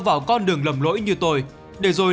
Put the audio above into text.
vào con đường lầm lỗi như tôi để rồi